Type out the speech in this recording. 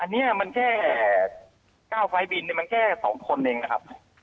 อันนี้มันแค่๙ไฟล์บินมันแค่๒คนเองนะครับ